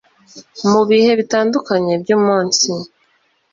mu bihe bitandukanye byumunsi